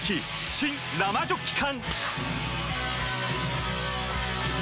新・生ジョッキ缶！